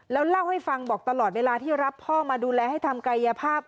แล้วเล่าให้ฟังบอกตลอดเวลาที่รับพ่อมาดูแลให้ทำกายภาพ